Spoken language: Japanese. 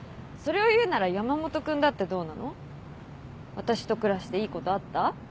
私と暮らしていいことあった？